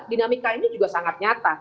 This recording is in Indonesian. dinamika ini juga sangat nyata